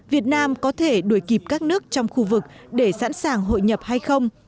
việt nam có thể đuổi kịp các nước trong khu vực để sẵn sàng hội nhập hay không